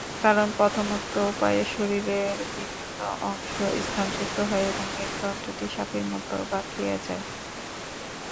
কারণ প্রথমোক্ত উপায়ে শরীরের বিভিন্ন অংশ স্থানচ্যুত হয় এবং মেরুদণ্ডটি সাপের মত বাঁকিয়া যায়।